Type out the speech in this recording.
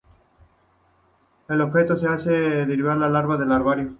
El adjetivo que se hace derivar de larva es larvario.